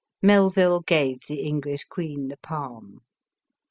Melville gave the English queen the palm.